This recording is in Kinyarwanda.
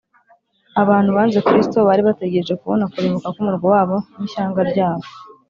abantu banze kristo, bari begerereje kubona kurimbuka k’umurwa wabo n’ishyanga ryabo